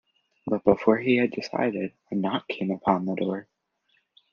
But before he had decided a knock came upon the door.